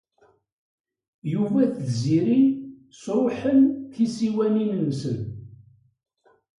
Yuba ed Tiziri sṛuḥen tisiwanin-nsen.